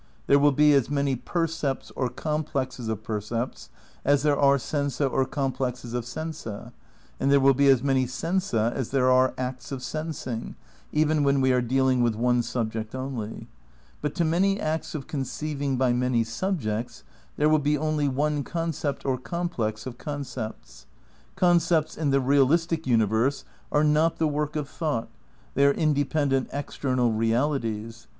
There will be as many per cepts or complexes of percepts as there are sensa or complexes of sensa, and there will be as many sensa as there are acts of sensing, even when we are deaKng with one subject only; but to many acts of conceiving by many subjects there will be only one concept or com plex of concepts. Concepts in the realistic universe are notthe work of thought ; they are independent ex ternal realities.